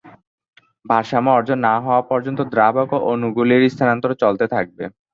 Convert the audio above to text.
ভারসাম্য অর্জন না হওয়া পর্যন্ত দ্রাবক অণুগুলির স্থানান্তর চলতে থাকবে।